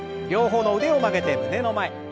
両方の腕を曲げて胸の前。